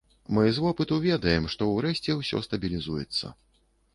Мы з вопыту ведаем, што, урэшце, усё стабілізуецца.